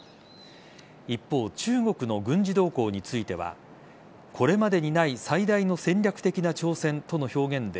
一方、中国の軍事動向についてはこれまでにない最大の戦略的な挑戦との表現で